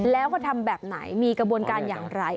แล้วก็ทำแบบไหนมีกระบวนการอย่างไร